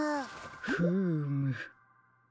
フーム。